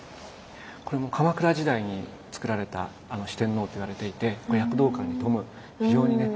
これも鎌倉時代につくられた四天王っていわれていて躍動感に富む非常にね